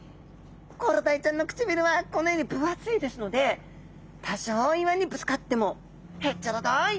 コロダイちゃんの唇はこのように分厚いですので多少岩にぶつかっても「へっちゃらだい。